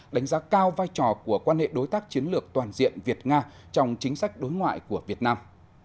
đánh giá cao vai trò của quan hệ đối tác chiến lược toàn diện việt nga trong chính sách đối ngoại của việt nam